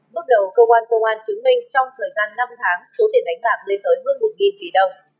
bước đầu cơ quan công an chứng minh trong thời gian năm tháng số tiền đánh bạc lên tới hơn một tỷ đồng